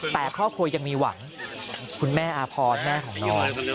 แต่ครอบครัวยังมีหวังคุณแม่อาพรแม่ของย้อย